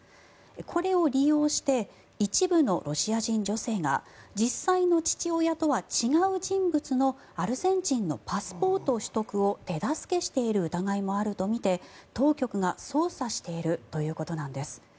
これを利用して一部のロシア人女性が実際の父親とは違う人物のアルゼンチンのパスポート取得を手助けしている疑いもあるとみて当局が捜査しているということです。